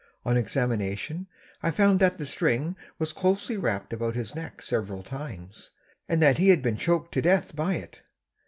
On examination I found that the string was closely wrapped about his neck several times, and that he had been choked to death by it.